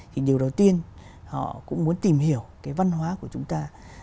thì điều đầu tiên họ cũng muốn tìm hiểu cái văn hóa của chúng ta